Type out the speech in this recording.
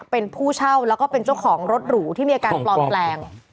เป็นผู้เช่าแล้วก็เป็นเจ้าของรถหรูที่มีอาการปลอมแปลง